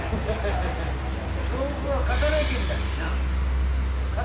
勝負は勝たないけんだけんな。